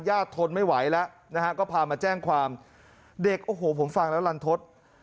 ทนไม่ไหวแล้วนะฮะก็พามาแจ้งความเด็กโอ้โหผมฟังแล้วลันทศ